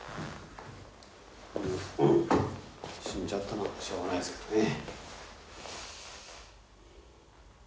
死んじゃったのはしょうがないですけどね。